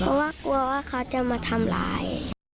เพราะว่ากลัวว่าเขาจะมาทำร้าย